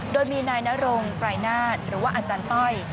โดยมีนายนรงไกรนาศหรือว่าอาจารย์ต้อย